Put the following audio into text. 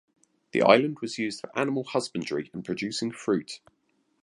The island was used for animal husbandry and producing fruit.